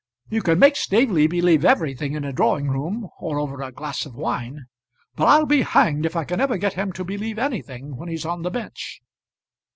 You can make Staveley believe everything in a drawing room or over a glass of wine; but I'll be hanged if I can ever get him to believe anything when he's on the bench."